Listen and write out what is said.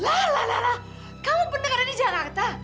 lah lah lah lah kamu beneran di jakarta